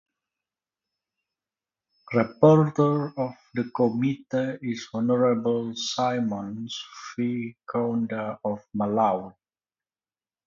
Rapporteur of the Committee is Honorable Symon V Kaunda of Malawi.